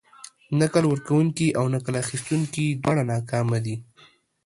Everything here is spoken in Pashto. نکل ورکونکي او نکل اخيستونکي دواړه ناکامه دي.